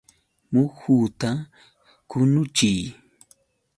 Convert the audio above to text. Muhuta qunichiy.